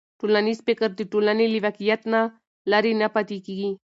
ټولنیز فکر د ټولنې له واقعیت نه لرې نه پاتې کېږي.